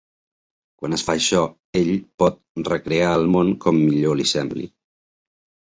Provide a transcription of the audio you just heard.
Quan es fa això, ell pot recrear el món com millor li sembli.